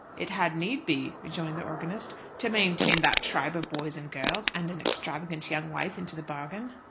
"It had need be," rejoined the organist, "to maintain that tribe of boys and girls, and an extravagant young wife into the bargain."